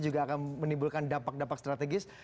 juga akan menimbulkan dampak dampak strategis